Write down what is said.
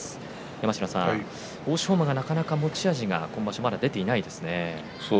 山科さん、欧勝馬が今場所はなかなか持ち味が出ていないですね。